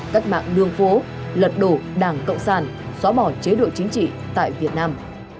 cách mạng đường phố lật đổ đảng cộng sản xóa bỏ chế độ chính trị tại việt nam